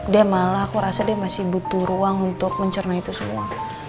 dia malah aku rasa dia masih butuh ruang untuk mencerna itu semua